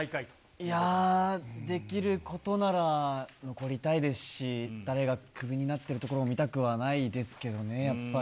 いやー、できることなら残りたいですし、誰がクビになってるところも見たくはないですけどね、やっぱり。